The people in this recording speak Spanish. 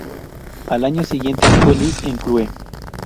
Al año siguiente fue Liz en Clue.